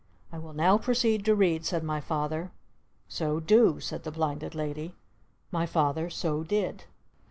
"I will now proceed to read," said my Father. "So do," said the Blinded Lady. My Father so did.